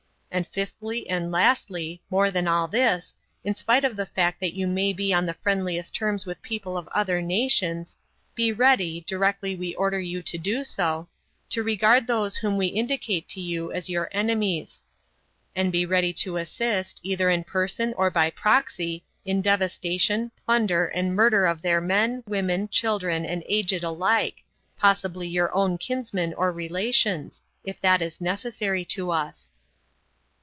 And fifthly and lastly, more than all this, in spite of the fact that you maybe on the friendliest terms with people of other nations, be ready, directly we order you to do so, to regard those whom we indicate to you as your enemies; and be ready to assist, either in person or by proxy, in devastation, plunder, and murder of their men, women, children, and aged alike possibly your own kinsmen or relations if that is necessary to us.